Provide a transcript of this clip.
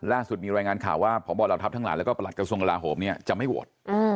ล่าสุดมีรายงานข่าวว่าพบเหล่าทัพทั้งหลายแล้วก็ประหลัดกระทรวงกลาโหมจะไม่โหวต